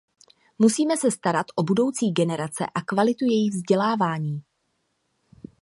Musíme se starat o budoucí generace a kvalitu jejich vzdělávání.